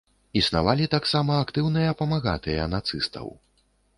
Існавалі таксама актыўныя памагатыя нацыстаў.